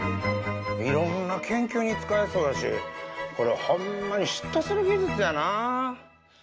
いろんな研究に使えそうやしこれホンマに嫉妬する技術やなぁ。